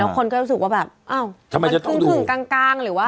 แล้วคนก็รู้สึกว่าแบบเอ้าใช่ไปซึ่งต้องดูกางกางหรือว่า